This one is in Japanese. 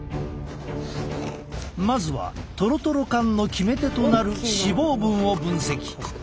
まずはとろとろ感の決め手となる脂肪分を分析。